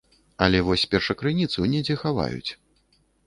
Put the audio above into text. Але вось першакрыніцу недзе хаваюць.